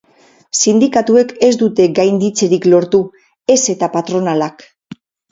Sindikatuek ez dute gainditzerik lortu, ez eta patronalak.